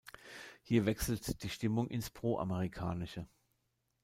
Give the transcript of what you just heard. Hier wechselt die Stimmung ins Pro-Amerikanische.